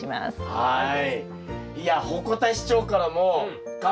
はい。